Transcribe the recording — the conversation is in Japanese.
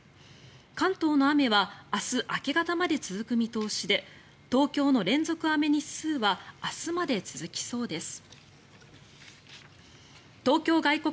関東の雨は明日明け方まで続く見通しで東京の連続雨日数は明日まで続きそうです。